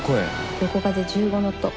横風１５ノット。